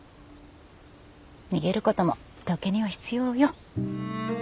逃げることも時には必要よ。